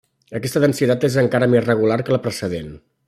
Aquesta densitat és encara més regular que la precedent.